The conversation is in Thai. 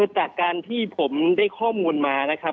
จากการที่ผมได้ข้อมูลมานะครับ